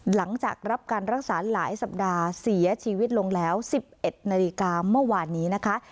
หลังจากรับการรักษาหลายสัปดาห์เสียชีวิตลงแล้ว๑๑นาฬิกาเมื่อวานนี้นะคะ